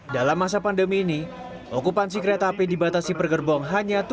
dalam masa pandemi ini okupansi kereta api dibatasi pergerbong hanya tujuh puluh empat